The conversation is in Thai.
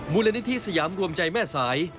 มูลนิธิสยามรวมใจแม่สาย